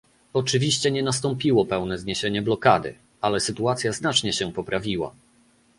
Oczywiście nie nastąpiło pełne zniesienie blokady, ale sytuacja znacznie się poprawiła